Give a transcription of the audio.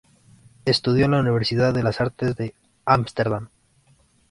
Estudió en la Universidad de las Artes de Ámsterdam.